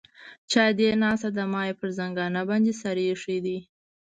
چې ادې ناسته ده ما يې پر زنګانه باندې سر ايښى دى.